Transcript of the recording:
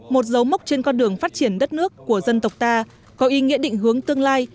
một dấu mốc trên con đường phát triển đất nước của dân tộc ta có ý nghĩa định hướng tương lai